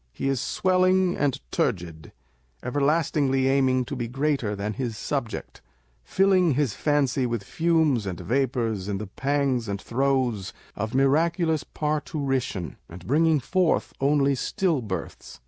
He is swelling and turgid â€" everlastingly aiming to be greater than his subject; filling his fancy with fumes and vapours in the pangs and throes of miraculous par turition, and bringing forth only still births.